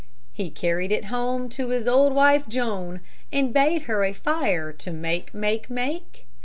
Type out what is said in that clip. He carried it home to his old wife Joan, And bade her a fire to make, make, make.